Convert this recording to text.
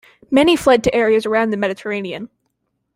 Many fled to areas around the Mediterranean.